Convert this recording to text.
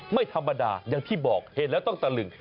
ไม่ธรรมดาอย่างที่บอกเห็นแล้วต้องตะลึง